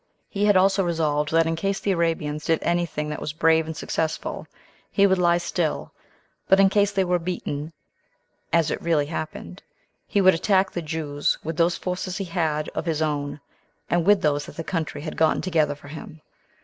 He had also resolved, that in case the Arabians did any thing that was brave and successful, he would lie still; but in case they were beaten, as it really happened, he would attack the Jews with those forces he had of his own, and with those that the country had gotten together for him.